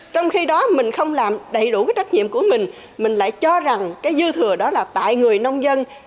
trong khi đó mình không làm đầy đủ cái trách nhiệm của mình mình lại cho rằng cái dư thừa đó là tại người nông dân